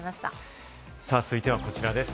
続いてはこちらです。